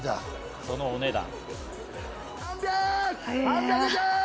そのお値段。